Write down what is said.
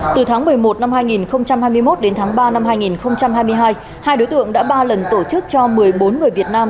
từ tháng một mươi một năm hai nghìn hai mươi một đến tháng ba năm hai nghìn hai mươi hai hai đối tượng đã ba lần tổ chức cho một mươi bốn người việt nam